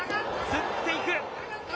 つっていく。